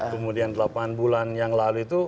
kemudian delapan bulan yang lalu itu